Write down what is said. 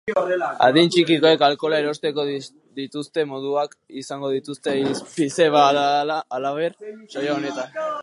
Adin txikikoek alkohola erosteko dituzten moduak izango dituzte hizpide halaber saio honetan.